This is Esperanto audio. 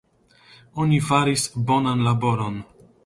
Oni faris bonan laboron.